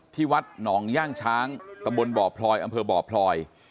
ที่วัดหนองย่างช้างตะบนบ่อพลอยอำเภอบ่อพลอย